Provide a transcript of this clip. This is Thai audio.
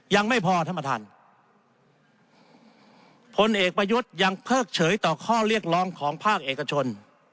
ยังไม่พอท่านประธานผลเอกประยุทธ์ยังเพิกเฉยต่อข้อเรียกร้องของภาคเอกชน